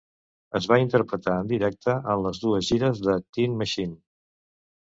Es va interpretar en directe en les dues gires de Tin Machine.